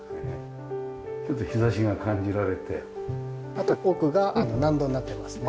あとは奥が納戸になってますね。